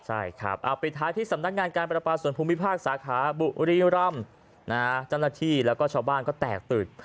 เอาไปท้ายที่สำนักงานการปรับปลาส่วนภูมิภาคสาขาบุรีร่ำจังหลักที่แล้วก็ชาวบ้านก็แตกตืด